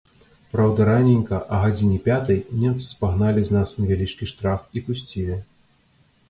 Праўда, раненька, а гадзіне пятай, немцы спагналі з нас невялічкі штраф і пусцілі.